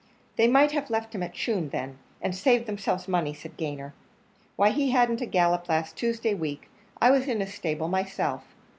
"They might have left him at Tuam then, and saved themselves money," said Gayner. "Why, he hadn't had a gallop last Tuesday week; I was in his stable myself.